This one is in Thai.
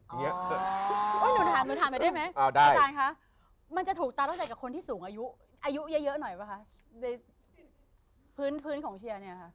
หนูถามไปได้ไหมมันจะถูกตาต้องใจกับคนที่สูงอายุอายุเยอะหน่อยป่ะคะ